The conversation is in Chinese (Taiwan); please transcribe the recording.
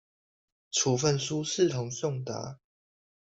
處分書視同送達